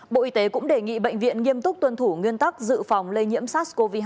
bộ y tế cũng đề nghị bệnh viện nghiêm túc tuân thủ nguyên tắc dự phòng lây nhiễm sars cov hai